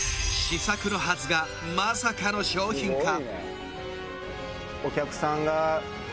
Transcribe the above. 試作のはずがまさかの商品化